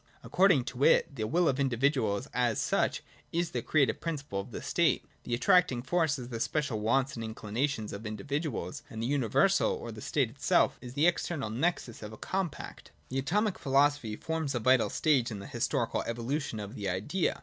According to it, the will of individuals as such is the creative principle of the State : the attractino force is the special wants and inclinations of individuals • and gS.] ATOMISM. 183 the Universal, or the State itself, is the external nexus of a compact. (i) The Atomic philosophy forms a vital stage in the historical evolution of the Idea.